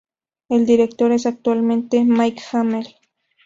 El director es actualmente Mike Hamel.